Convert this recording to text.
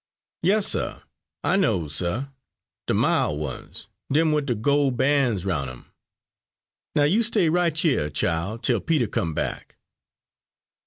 "Yas, suh, I knows, suh, de mil' ones, dem wid de gol' ban's 'roun' 'em. Now you stay right hyuh, chile, till Peter come back."